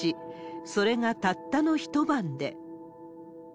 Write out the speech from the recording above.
それがたったの一晩で。